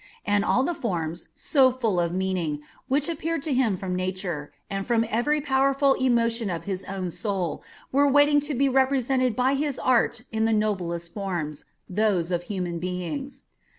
And all the forms, so full of meaning, which appeared to him from Nature, and from every powerful emotion of his own soul, were waiting to be represented by his art in the noblest of forms, those of human beings.